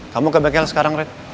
kamu ke bekel sekarang red